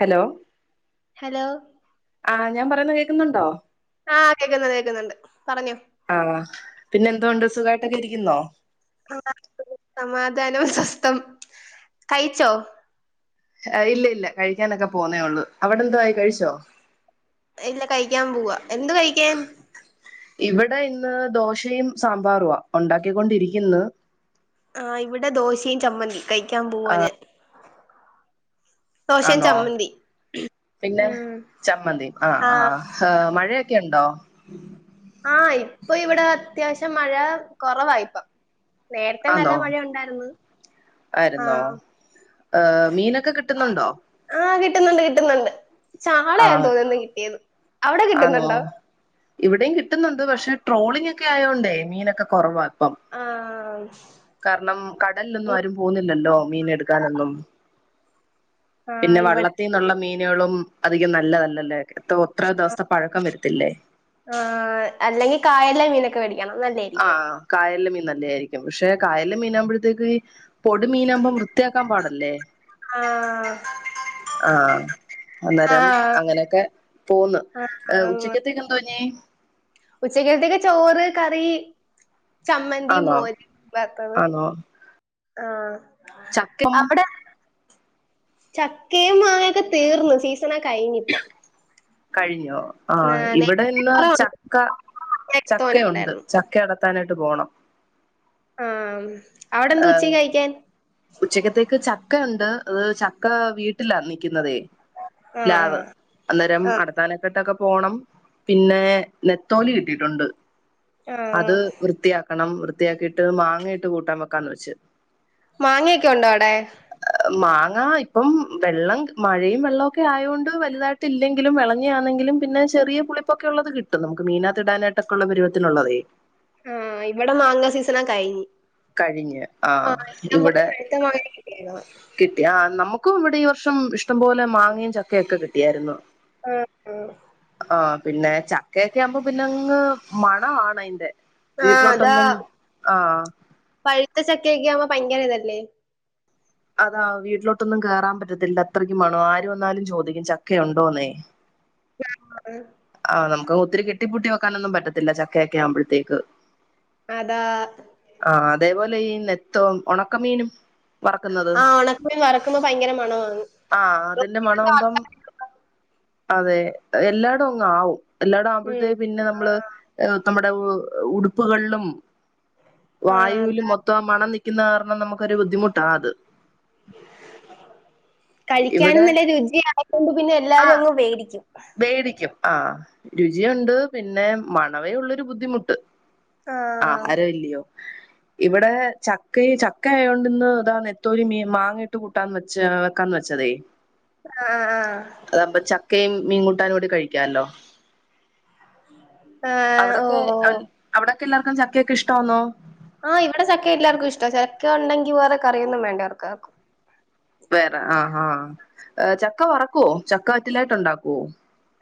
Hello hello ആ ഞാൻ പറയുന്ന കേൾക്കുന്നുണ്ടോ? ആ കേൾക്കുന്നു കേക്കുന്നുണ്ട് പറഞ്ഞോ. ആ പിന്നെ എന്തോണ്ട് സുഖമായിട്ടൊക്കെ ഇരിക്കുന്നോ? ആ സമാധാനം സ്വസ്ഥം കഴിച്ചോ? അ ഇല്ല ഇല്ല കഴിക്കാനൊക്കെ പോന്നേള്ളൂ അവിടെ എന്തയി കഴിച്ചോ? ഇല്ല കഴിക്കാൻ പോവാ എന്ത്വാ കഴിക്കാൻ? ഇവിടെ ഇന്ന് ദോശയും സാമ്പാറുവാ ഉണ്ടാക്കിക്കൊണ്ടിരിക്കുന്നു. ആ ഇവിടെ ദോശയും ചമ്മന്തി കഴിക്കാൻ പോവാ ഞാ ആന്നോ പിന്നെ ഉം ചമ്മന്തിയും ആ് ആ ആഹ് ആ മഴയൊക്കെ ഉണ്ടോ? ആ ഇപ്പൊ ഇവിടെ അത്യാവശ്യം മഴ കുറവായിപ്പ. നേരത്തെ നല്ല ആന്നോ മഴ ഉണ്ടായിരുന്നു. ആയിരുന്നോ ആഹ് ആ മീനൊക്കെ കിട്ടുന്നുണ്ടോ? ആ കിട്ടുന്നുണ്ട് കിട്ടുന്നുണ്ട് ചാളയാ ആഹ് തോന്നുന്നിന്നു കിട്ടിയത് അവിടെ ആന്നോ കിട്ടുന്നുണ്ടോ? ഇവിടെയും കിട്ടുന്നുണ്ട് പക്ഷെ ട്രോളിംഗ ഒക്കെ ആയോണ്ടേ മീനൊക്കെ കുറവാ ഇപ്പം. അ ആ കാരണം കടലിലൊന്നും ആരും പോവുന്നില്ലല്ലോ മീന് എടുക്കാനൊന്നും. ആഹ് പിന്നെ ഇവിടെ വള്ളത്തിൽ നിന്നുള്ള മീനുകളും അധികം നല്ലതല്ലല്ലേ ത്ര ദിവസത്തെ പഴക്കം വരുത്തില്ലേ? ആ അല്ലെങ്കിൽ കായലിലെ മീനൊക്കെ വേടി ക്കണം അല്ലേ? ആഹ കായല മീൻ നല്ല ആയിരിക്കും പക്ഷെ കായല മീൻ ആകുമ്പഴത്തേക്ക് പൊടി മീനാകുമ്പം വൃത്തിയാക്കാൻ പാടല്ലേ ആ ആ അന്നേരം അങ്ങനെയൊക്കെ പോന്ന് ആഹ് ഉച്ചക്കത്തേക്ക എന്തോഞ്ഞി ഉച്ചക്കത്തേക്ക് ചോറ് കറി ചമ്മന്തി ആന്നോ മോര് മീൻ വർത്തത് ആ ചക്കിം ചക്കയും മാങ്ങയൊക്കെ തീർന്നു സീസണക്കെ കഴിഞ്ഞിപ്പം. കഴിഞ്ഞോ ആ, ആഹ് ഇവിടെ നേരത്തെ ഇന്ന് കൊറേ ഉണ്ട്. ചക്ക തോനെ ചക്കയുണ്ട്. ഉണ്ടായിരുന്നു ച ക്കെടത്താനായിട്ട് പോണം. ആഹ്. അവിടെ എന്താ ഉച്ചക്ക് കഴിക്കാൻ? ഉച്ചക്ക്യത്തേക്ക് ചക്കയുണ്ട്. അത് ചക്ക വീട്ടിലാ നിക്ക്യുന്നതേയ്. ആഹ് പ്ലാവ് അന്നേരം ആഹ് അടർത്താനാ യിട്ടൊക്കെ പോണം. പിന്നെ നെത്തോലി കിട്ടിയിട്ടുണ്ട്. ആഹ് അത് വൃത്തിയാക്കണം. വൃത്തിയാക്കിട്ട് മാങ്ങയിട്ട് കൂട്ടാൻ വെക്കാന്ന് വെച്ച്. മാങ്ങയൊക്കെ ഉണ്ടോ അടെ? മാങ്ങ ഇപ്പം വെള്ളം മഴയും വെള്ളം ഒക്കെ ആയൊണ്ട് വലുതായി ട്ടില്ലെങ്കിലും വിളഞ്ഞ ആണെങ്കിലും പിന്നെ ചെറിയപുളിപ്പൊക്കെ ഉള്ളത് കിട്ടും. നമുക്ക് മീനകത്ത് ഇടാനായിട്ടൊക്കെ ഉള്ള പരുവത്തിനുള്ളതേ. ആഹ് ഇവിടെ മാങ്ങാ സീസണ കഴിഞ്ഞ്. കഴിഞ്ഞ് ആ ആഹ് എല്ലാം ഇവിടെ [unintelligible] പഴുത്ത മാങ്ങ കിട്ടീന്നു. കിട്ടി ആഹ് നമുക്കും ഇവിടെ ഈ വർഷം ഇഷ്ടംപോലെ മാങ്ങയും ചക്കയോക്കെ കിട്ടിയായിരുന്നു. [unintelligible] ആഹ് പിന്നെ ചക്കയൊക്കെ ആവുമ്പോ പിന്നങ്ങ് മണവാണ് അയിന്റെ. ആഹ് അതാ പഴുത്ത ചക്കയൊക്കെ ആവുമ്പോ ഭയങ്കര ഇതല്ലേ. അതാ. വീട്ടിലോട്ടൊന്നും കേറാൻ പറ്റത്തില്ല അത്രയ്ക്കും മണവാ ആര് വന്നാലും ചോദിക്കും ചക്കയുണ്ടോന്നേ. [unintelligible] ആഹ് നമുക്ക് ഒത്തിരി കെട്ടിപ്പൂട്ടി വെക്കാനൊന്നും പറ്റത്തില്ല ചക്കയൊക്കെ ആവുമ്പഴ്ത്തേക്ക്. അതാ. ആഹ് അതേപോലെ ഈ നെത്തോം ഒണക്കമീനും. വറ്ക്കുന്നത് ആ ഒണക്കമീൻ വറക്കുമ്പോ ഭയങ്കര മണവാണ് ആഹ് അതിന്റെ മണാവുമ്പം അതെ എല്ലായിടും അങ്ങ് ആവും. എല്ലായിടം ആവുമ്പോഴ്ത്തേ ഉം പിന്നെ ആ നമ്മള് ഏഹ് നമ്മുടെ ഉടുപ്പുകളിലും ആ, വായുവിലും അതാ മൊ ത്തം ആ മണം നിക്കുന്ന കാരണം നമുക്കൊരു ബുദ്ധിമുട്ടാ അത്. കഴിക്ക്യാനും ഇവിടെ നല്ല രുചിയായതോണ്ട് പിന്നെ എല്ലാരും ആഹ് അങ്ങ് വേടിക്കും. വേടിക്കും ആഹ്. രുചിയുണ്ട് പിന്നെ മണവേ ഉള്ളൊരു ബുദ്ധിമുട്ട്. ആഹ്. ആഹാരവല്ലിയോ. ഇവിടെ ചക്കയ് ചക്ക ആയോണ്ടിന്ന് ദാ നത്തോലി മീ മാങ്ങയിട്ട് കൂ ട്ടാൻ വെച്ച് വെക്കാംന്ന് വെച്ചതേ. ആഹ് ആഹ്. അതാവുമ്പം ചക്കയും മീൻകൂട്ടാനും കൂടി കഴിക്കാല്ലോ. ആഹ് ഓ അവിടൊക്കെ ഓ എൽ അവിടൊക്കെ എല്ലാർക്കും ചക്കയൊക്കെ ഇഷ്ടവാന്നോ? ആഹ് ഇവിടെ ചക്ക എല്ലാർക്കും ഇഷ്ടാ. ചക്ക ഉണ്ടെങ്കി വേറെ കറിയൊന്നും വേണ്ട ഇവർക്കാർക്കും. വേറെ, ആഹ്ഹാ. ചക്ക വറ്ക്കുവോ ചക്ക വറ്റലായിട്ട് ഉണ്ടാക്കുവോ?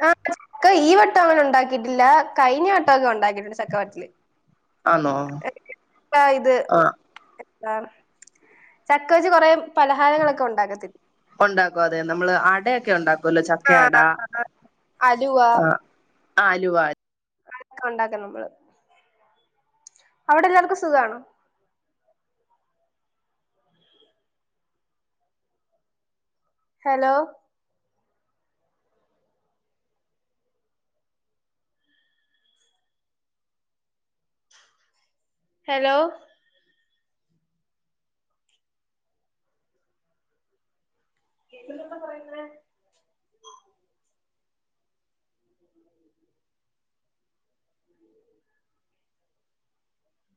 ആഹ് ചക്ക ഈ വട്ടം അങ്ങനെ ഉണ്ടാക്കിയിട്ടില്ല കഴിഞ്ഞ വട്ട ഒക്കെ ഉണ്ടാക്കിട്ടുണ്ട് ചക്ക വറ്റല്. ആന്നോ. [unintelligible] ഇത് ആഹ് എന്താ ചക്ക വെച്ച് കൊറെ പലഹാരങ്ങളൊക്കെ ഉണ്ടാക്കത്തി ഉണ്ടാക്കും അതെ. നമ്മള് അടയൊക്കെ ഉണ്ടാക്കുവല്ലോ ചക്കയട ആഹ് അലുവ ആഹ്. ആഹ് അലുവ. ക്ക ഉണ്ടാക്കും നമ്മള്. അവിടെ എല്ലാർക്കും സുഖാണോ? ഹലോ ഹലോ കേൾക്കുന്നുണ്ടോ പറയുന്നേ [inaudible]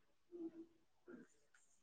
ഉം